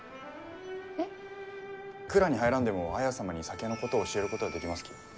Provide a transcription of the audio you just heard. えっ？蔵に入らんでも綾様に酒のことを教えることはできますき。